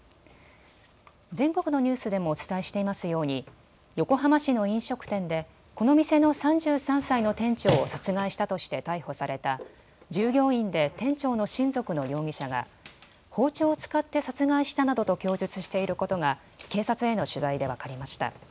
全国のニュースでもお伝えしていますように横浜市の飲食店でこの店の３３歳の店長を殺害したとして逮捕された従業員で店長の親族の容疑者が包丁を使って殺害したなどと供述していることが警察への取材で分かりました。